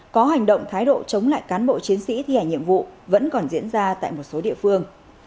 có hành động thái độ chống lại cán bộ chiến sĩ thi hành nhiệm vụ vẫn còn diễn ra tại một số địa phương